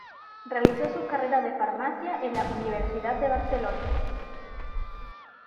Realizó su carrera de farmacia en la Universidad de Barcelona.